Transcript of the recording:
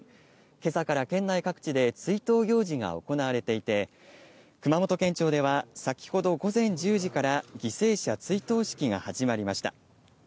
今朝から県内各地で追悼行事が行われていて、熊本県庁では先ほど午前１０時から犠牲者追悼式が始まりました。